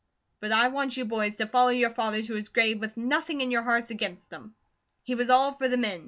But I want you boys to follow your father to his grave with nothing in your hearts against HIM. He was all for the men.